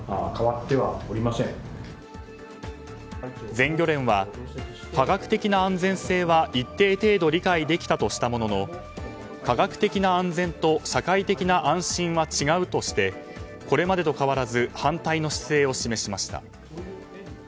全漁連は、科学的な安全性は一定程度理解できたとしたものの科学的な安全と社会的な安心は違うとしてこれまでと変わらず反対の姿勢を示しました。